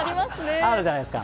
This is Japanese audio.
あるじゃないですか。